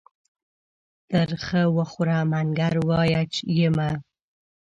تر خه وخوره ، منگر وايه يې مه.